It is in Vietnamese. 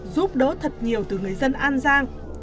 giúp đỡ thật nhiều từ người dân an giang